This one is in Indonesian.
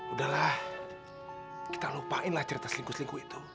udah lah kita lupain lah cerita selingkuh selingkuh itu